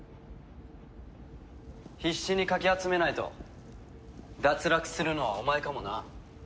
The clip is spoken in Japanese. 必死にかき集めないと脱落するのはお前かもな。